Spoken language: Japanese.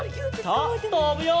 さあとぶよ！